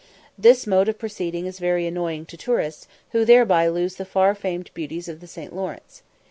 This mode of proceeding is very annoying to tourists, who thereby lose the far famed beauties of the St. Lawrence.